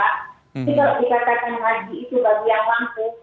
tapi kalau dikatakan haji itu bagi yang langsung